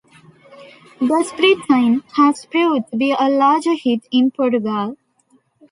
"Despre tine" has proved to be a large hit in Portugal.